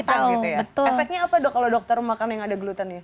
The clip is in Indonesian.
efeknya apa kalau dokter makan yang ada gluten ya